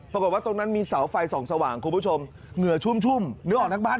ปรากฏว่าตรงนั้นมีเสาไฟส่องสว่างคุณผู้ชมเหงื่อชุ่มนึกออกนอกบ้าน